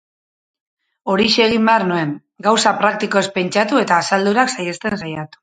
Horixe egin behar nuen, gauza praktikoez pentsatu eta asaldurak saihesten saiatu.